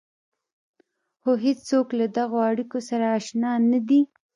خو هېڅوک له دغو اړيکو سره اشنا نه دي.